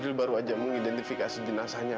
siapa saja yang menghalangi spesifikasinya